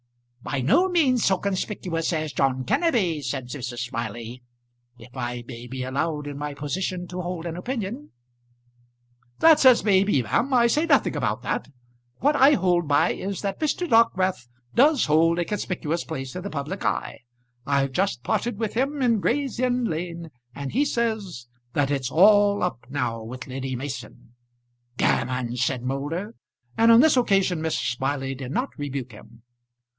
"By no means so conspicuous as John Kenneby," said Mrs. Smiley, "if I may be allowed in my position to hold an opinion." "That's as may be, ma'am. I say nothing about that. What I hold by is, that Mr. Dockwrath does hold a conspicuous place in the public eye. I've just parted with him in Gray's Inn Lane, and he says that it's all up now with Lady Mason." "Gammon!" said Moulder. And on this occasion Mrs. Smiley did not rebuke him.